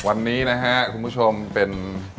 วันนี้นะฮะคุณผู้ชมเป็น